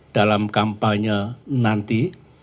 dalam kampanye nanti